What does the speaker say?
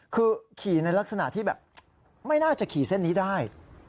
คือขี่ในลักษณะที่แบบไม่น่าจะขี่เส้นนี้ได้